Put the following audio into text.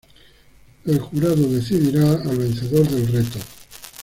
El jurado decidirá al vencedor del reto.